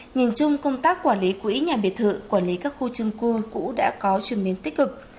nhìn chung công tác quản lý quỹ nhà biệt thự quản lý các khu trung cư cũng đã có chuyển biến tích cực